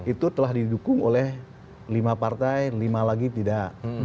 itu telah didukung oleh lima partai lima lagi tidak